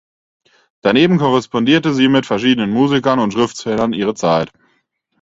Daneben korrespondierte sie mit verschiedenen Musikern und Schriftstellern ihre Zeit.